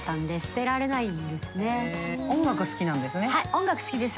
はい音楽好きです。